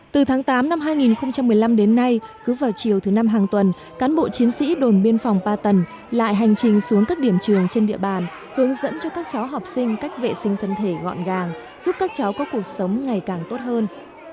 từ tháng tám năm hai nghìn một mươi năm đến nay cứ vào chiều thứ năm hàng tuần cán bộ chiến sĩ đồn biên phòng ba tầng lại hành trình xuống các điểm trường trên địa bàn hướng dẫn cho các cháu học sinh cách vệ sinh thân thể gọn gàng giúp các cháu có cuộc sống ngày càng tốt hơn